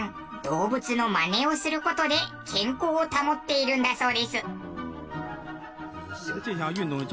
動物のマネをする事で健康を保っているんだそうです。